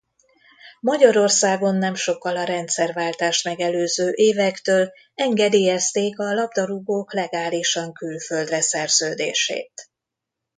Magyarországon nem sokkal a rendszerváltást megelőző évektől engedélyezték a labdarúgók legálisan külföldre szerződését.